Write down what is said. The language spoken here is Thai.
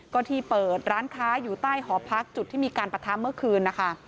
ก็ที่เปิดร้านค้าอยู่ใต้หอพักจุดที่มีการปะทะเมื่อคืนนะคะ